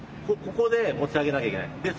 ここで持ち上げなきゃいけない。